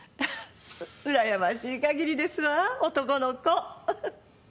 うらやましいかぎりですわ男の子。